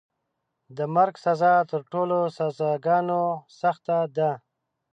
د مرګ سزا تر ټولو سزاګانو سخته ده.